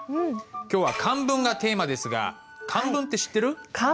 今日は「漢文」がテーマですが漢文って知ってる？